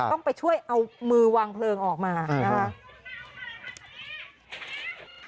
ต้องไปช่วยเอามือวางเพลิงออกมานะคะ